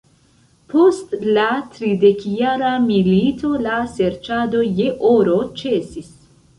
Post la Tridekjara milito la serĉado je oro ĉesis.